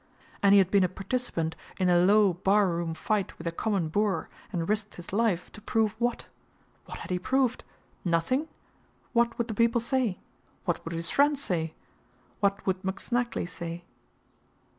And he had been a participant in a low barroom fight with a common boor, and risked his life, to prove what? What had he proved? Nothing? What would the people say? What would his friends say? What would McSnagley say?